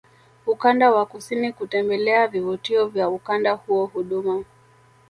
ukanda wa kusini kutembelea vivutio vya ukanda huo Huduma